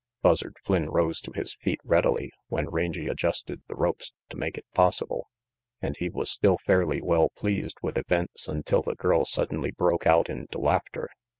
Buzzard Flynn rose to his feet readily when Rangy adjusted the ropes to make it possible, and he was still fairly well pleased with events until the girl suddenly broke out into laughter.